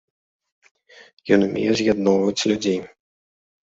Ён умее з'ядноўваць людзей.